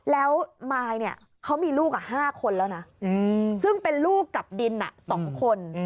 แล้วมายเนี่ยเขามีลูก๕คนแล้วนะซึ่งเป็นลูกกับดิน๒คน